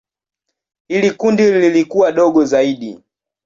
Hili kundi lilikuwa dogo zaidi.